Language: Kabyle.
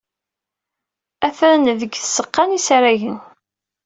Atan deg tzeɣɣa n yisaragen.